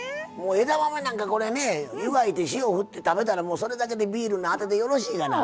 枝豆なんかこれね湯がいて塩振って食べたらそれだけでビールのアテでよろしいがな。